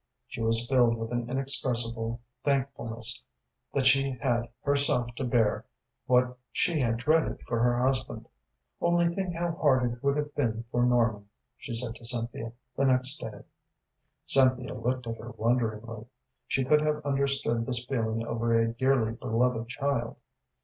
She was filled with inexpressible thankfulness that she had herself to bear what she had dreaded for her husband. "Only think how hard it would have been for Norman," she said to Cynthia, the next day. Cynthia looked at her wonderingly. She could have understood this feeling over a dearly beloved child.